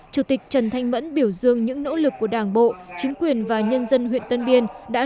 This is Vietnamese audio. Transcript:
chủ tịch trần thanh mẫn biểu dương những nỗ lực của đảng bộ chính quyền và nhân dân huyện tân biên đã nỗ lực